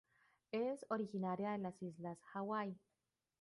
Es originaria de las Islas Hawái.